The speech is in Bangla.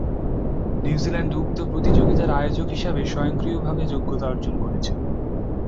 নিউজিল্যান্ড উক্ত প্রতিযোগিতার আয়োজক হিসাবে স্বয়ংক্রিয়ভাবে যোগ্যতা অর্জন করেছে।